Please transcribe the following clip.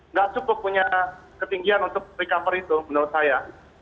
nggak cukup punya ketinggian untuk recover itu menurut saya